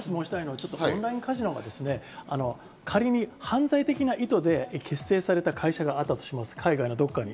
オンラインカジノが仮に犯罪的な意図で結成された会社があったとします、海外のどこかに。